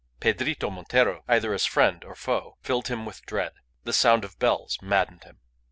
Pedrito Montero, either as friend or foe, filled him with dread. The sound of bells maddened him.